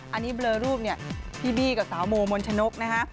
อันนี้เบลอรูปเนี่ยพี่บี้กับสาวโมมนชนกนะฮะ